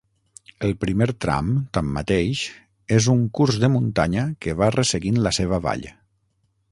El primer tram, tanmateix, és un curs de muntanya que va resseguint la seva vall.